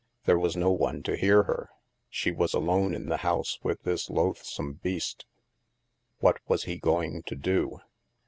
There was no one to hear her. She was alone in the house with this loathsome beast. What was he going to do?